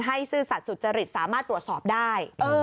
ซื่อสัตว์สุจริตสามารถตรวจสอบได้